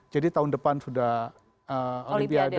jadi tahun depan sudah olimpiade